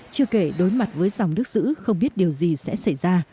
chưa kể đối mặt với dòng nước giữ không biết điều gì sẽ xảy ra